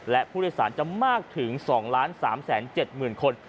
และผู้โดยสารจะมากถึง๒๓๗๐๐๐คน